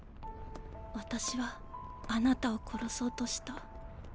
私はあなたを殺そうとした。